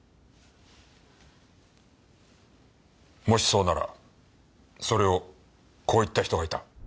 もしそうならそれをこう言った人がいた。